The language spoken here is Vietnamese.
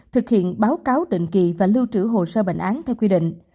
thực hiện báo cáo định kỳ và lưu trữ hồ sơ bệnh án theo quy định